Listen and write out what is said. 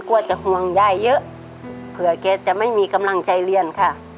กลัวจะห่วงยายเยอะเผื่อแกจะไม่มีกำลังใจเรียนค่ะ